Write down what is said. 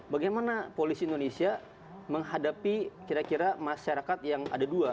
bagaimana polisi indonesia menghadapi kira kira masyarakat yang ada dua